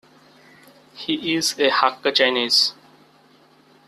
He is a Hakka Chinese.